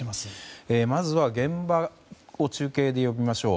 まずは現場を中継で呼びましょう。